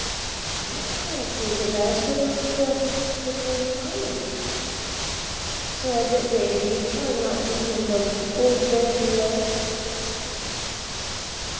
"I shall take a basket for the green flowers," said Davie, trying not to think of "Old Bandy Legs."